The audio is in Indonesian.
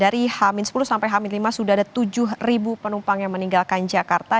dari h sepuluh sampai h lima sudah ada tujuh penumpang yang meninggalkan jakarta